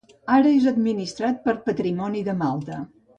Ara, és administrat per Patrimoni de Malta.